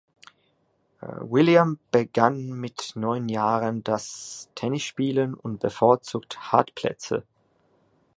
William begann mit neun Jahren das Tennisspielen und bevorzugt Hartplätze.